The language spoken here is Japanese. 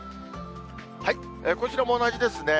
こちらも同じですね。